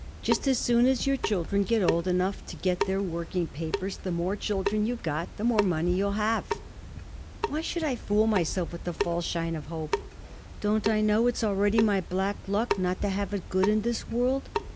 Just as soon as your children get old enough to get their working papers the more children you got, the more money you'll have." "Why should I fool myself with the false shine of hope? Don't I know it's already my black luck not to have it good in this world?